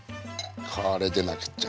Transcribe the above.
これでなくっちゃ。